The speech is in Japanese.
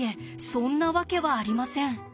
そんなわけはありません。